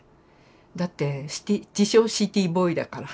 だって自称シティーボーイだから。